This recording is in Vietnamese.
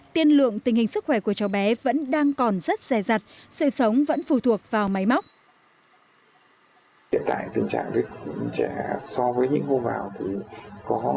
tiên lượng tình hình sức khỏe của cháu bé vẫn đang còn rất dài dặt sự sống vẫn phù thuộc vào máy móc